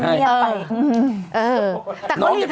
เหมือนมันเงียบไป